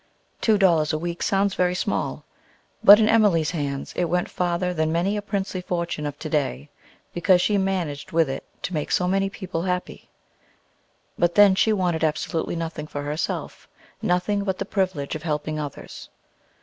Two dollars a week sounds very small, but in Emilie's hands it went farther than many a princely fortune of to day, because she managed with it to make so many people happy. But then she wanted absolutely nothing for herself; nothing but the privilege of helping others.